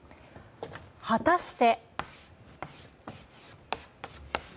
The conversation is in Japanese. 果たして。